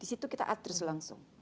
di situ kita addres langsung